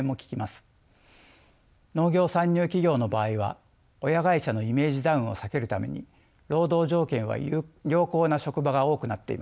農業参入企業の場合は親会社のイメージダウンを避けるために労働条件は良好な職場が多くなっています。